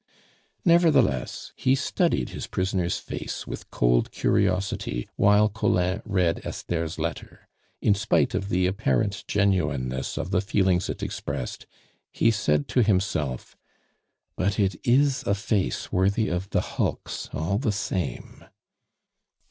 Nevertheless, he studied his prisoner's face with cold curiosity while Collin read Esther's letter; in spite of the apparent genuineness of the feelings it expressed, he said to himself: "But it is a face worthy of the hulks, all the same!"